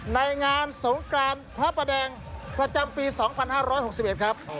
ในงานสงกรานพระประแดงประจำปี๒๕๖๑ครับ